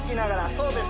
そうです